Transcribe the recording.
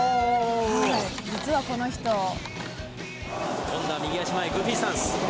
実はこの人。